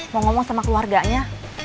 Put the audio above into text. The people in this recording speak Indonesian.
mau ngomong sama keluarganya